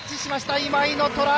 今井のトライ。